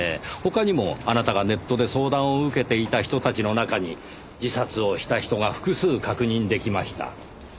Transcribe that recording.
他にもあなたがネットで相談を受けていた人たちの中に自殺をした人が複数確認出来ました。